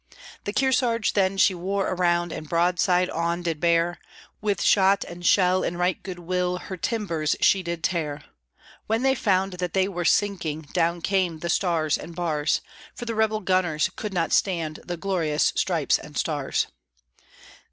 The Kearsarge then she wore around and broadside on did bear, With shot and shell and right good will, her timbers she did tear; When they found that they were sinking, down came the stars and bars, For the rebel gunners could not stand the glorious stripes and stars.